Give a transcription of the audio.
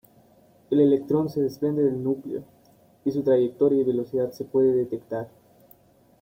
El electrón se desprende del núcleo, y su trayectoria y velocidad se puede detectar.